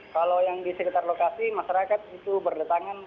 kalau yang di sekitar lokasi masyarakat itu berdatangan